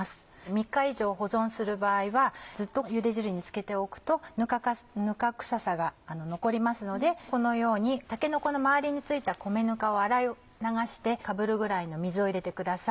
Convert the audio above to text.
３日以上保存する場合はずっとゆで汁に漬けておくとぬか臭さが残りますのでこのようにたけのこの周りに付いた米ぬかを洗い流してかぶるぐらいの水を入れてください。